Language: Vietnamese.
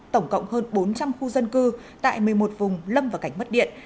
tổng cộng hơn bốn trăm linh khu dân cư tại một mươi một vùng lâm và cảnh mất điện